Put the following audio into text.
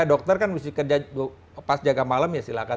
dokter kan mesti kerja pas jaga malam ya silahkan